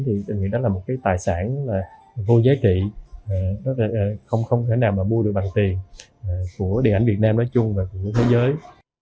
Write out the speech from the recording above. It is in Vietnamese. thì tôi nghĩ đó là một cái tài sản vô giá trị không thể nào mà mua được bằng tiền của điện ảnh việt nam nói chung và của thế giới